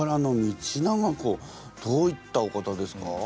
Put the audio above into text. どういったお方ですか？